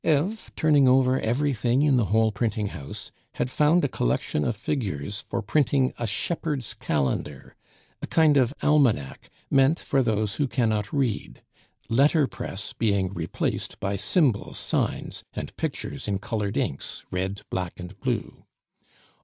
Eve, turning over everything in the whole printing house, had found a collection of figures for printing a "Shepherd's Calendar," a kind of almanac meant for those who cannot read, letterpress being replaced by symbols, signs, and pictures in colored inks, red, black and blue.